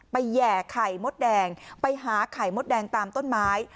แห่ไข่มดแดงไปหาไข่มดแดงตามต้นไม้